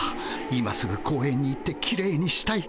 今すぐ公園に行ってきれいにしたい。